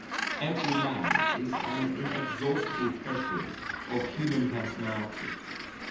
Every man is an inexhaustible treasury of human personality.